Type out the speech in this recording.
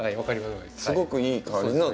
すごくいい香りですね。